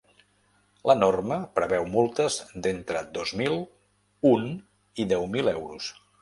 La norma preveu multes d’entre dos mil un i deu mil euros.